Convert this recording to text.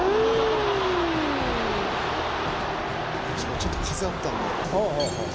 ちょっと風あったんで。